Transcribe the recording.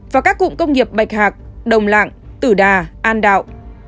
và các cụm công nghiệp bạch hạc đồng lạng tử đà an đạo